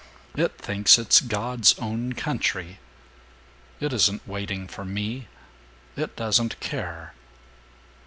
It thinks it's God's Own Country. It isn't waiting for me. It doesn't care."